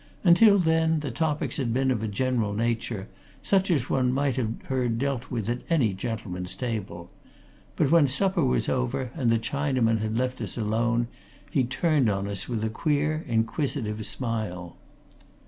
Until then, the topics had been of a general nature, such as one might have heard dealt with at any gentleman's table, but when supper was over and the Chinaman had left us alone, he turned on us with a queer, inquisitive smile.